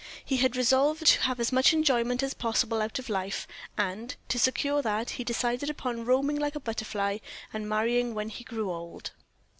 He had resolved to have as much enjoyment as possible out of his life, and, to secure that, he decided upon roaming like a butterfly, and marrying when he grew older.